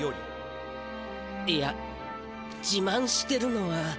いやじまんしてるのは。